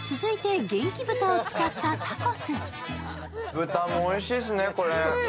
豚もおいしいっすね、これ。